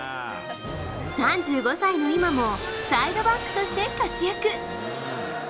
３５歳の今も、サイドバックとして活躍。